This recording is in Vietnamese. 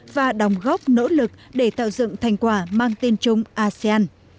và đồng góp nỗ lực để tạo dựng thành quả mang tên chung asean